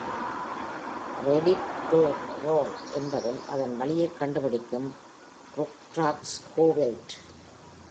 "Ready to roll" என்பதும் அதன் வழியைக் கண்டுபிடிக்கும் "ருக்ராட்ஸ் கோ வைல்ட்!